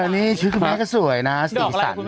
นี่ชุดคุณแม่ก็สวยนะสีสัน